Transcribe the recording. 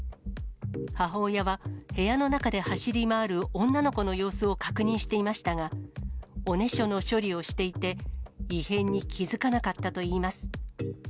母親は部屋の中で走り回る女の子の様子を確認していましたが、おねしょの処理をしていて、異変に気付かなかったといいます。